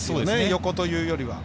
横というよりは。